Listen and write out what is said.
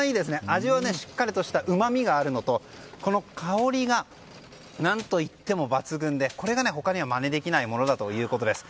味はしっかりとしたうまみがあるのとこの香りが何といっても抜群でこれが他にはまねできないものだということです。